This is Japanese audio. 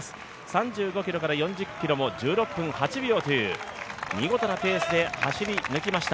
３５ｋｍから４０ｋｍを１６分８秒という見事なペースで走り抜きました。